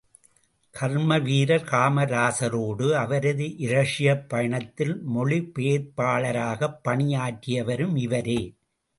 கர்ம வீரர் காமராசரோடு, அவரது இரஷியப் பயணத்தில், மொழிபெயர்ப்பாளராகப் பணியாற்றிவரும் இவரே.